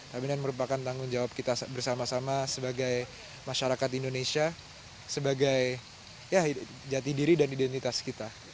kabinet merupakan tanggung jawab kita bersama sama sebagai masyarakat indonesia sebagai jati diri dan identitas kita